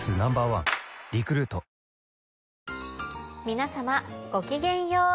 皆様ごきげんよう。